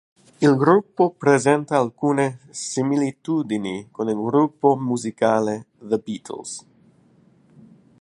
Il gruppo presenta alcune similitudini con il gruppo musicale "The Beatles".